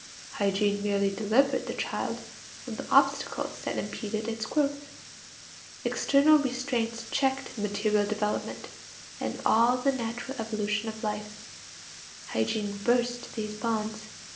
Hygiene merely delivered the child from the obstacles that impeded its growth. External restraints checked material development and all the natural evolution of life; hygiene burst these bonds.